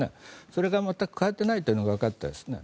それが全く変わっていないというのがわかったんですね。